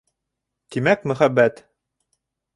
Тимәк, Мөхәббәт!